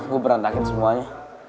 gue berantakin semuanya